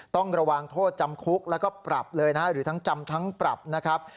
ต้องระวังโทษจำคุกแล้วก็ปรับเลยนะฮะหรือทั้งจำทั้งปรับนะครับ